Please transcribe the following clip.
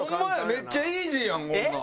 めっちゃイージーやんこんなん。